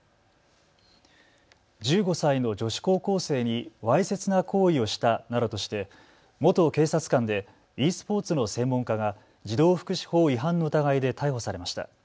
１５歳の女子高校生にわいせつな行為をしたなどとして元警察官でｅスポーツの専門家が児童福祉法違反の疑いで逮捕されました。